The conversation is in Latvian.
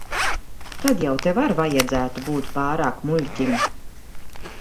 Tad jau tev ar vajadzētu būt pārāk muļķim.